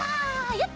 やった！